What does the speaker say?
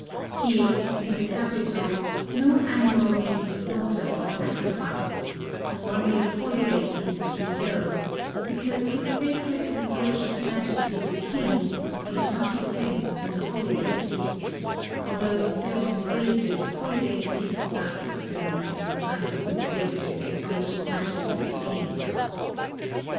Here [in the capital] no animal may be slaughtered for sacrifice, nor may the holiday feast be held, because His Sacred and Gracious IMajesty the King sees nmch of fense in the holiday feast, although in certain places hoHday feasts are excellent in the sight of His Sacred and Gracious Majesty the King.